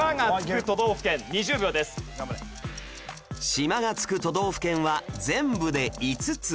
「島」がつく都道府県は全部で５つ